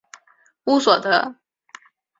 乌索德。